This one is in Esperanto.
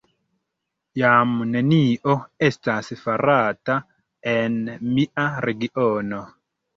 Jam nenio estas farata en mia regiono!